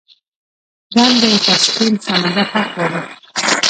ایران د کسپین سمندر حق غواړي.